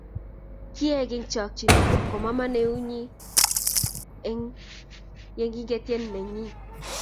Kiek eng chokchinet komaman eut nyi eng yenekiten nenyin